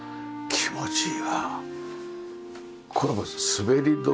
気持ちいい。